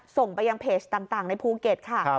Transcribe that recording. ส่งไปยังเพจต่างในภูเก็ตค่ะ